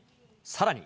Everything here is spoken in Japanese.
さらに。